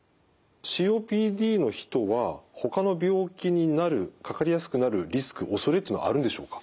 ＣＯＰＤの人はほかの病気になるかかりやすくなるリスクおそれっていうのはあるんでしょうか？